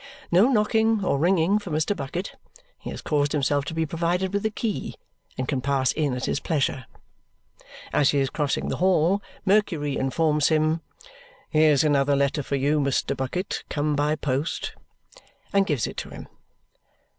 No knocking or ringing for Mr. Bucket. He has caused himself to be provided with a key and can pass in at his pleasure. As he is crossing the hall, Mercury informs him, "Here's another letter for you, Mr. Bucket, come by post," and gives it him.